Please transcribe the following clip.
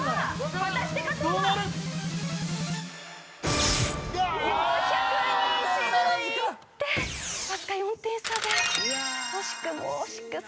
わずか４点差で惜しくもしっくす